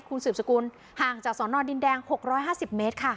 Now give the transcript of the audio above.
คุณสืบสกุลห่างจากสอนอดดินแดงหกร้อยห้าสิบเมตรค่ะ